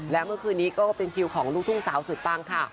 และเมื่อคืนนี้ก็เป็นคิวของลูกทุ่งสาวสุดปังค่ะ